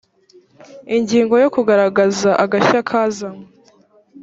ingingo ya kugaragaza agashya kazanywe